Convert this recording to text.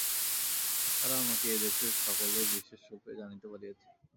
তারপর আমাকে এ দেশে সকলে বিশেষরূপে জানিতে পারিয়াছে।